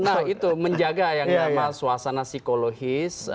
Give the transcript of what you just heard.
nah itu menjaga yang namanya suasana psikologis